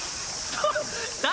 何？